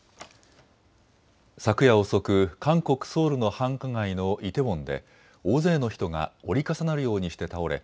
昨夜遅く韓国・ソウルの繁華街のイテウォンで大勢の人が折り重なるようにして倒れ